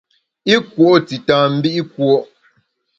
I kùo’ tita mbi’ kùo’.